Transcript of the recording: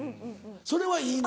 それはいいの？